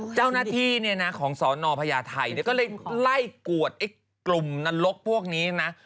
เจ้าหน้าที่ของสอนอพญาไทยก็เลยไล่กวดกลุ่มนรกพวกนี้นะ